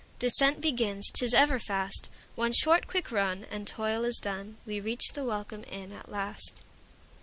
Descent begins, 't is ever fast—One short quick run, and toil is done, We reach the welcome inn at last.